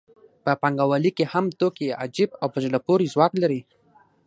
په پانګوالۍ کې هم توکي عجیب او په زړه پورې ځواک لري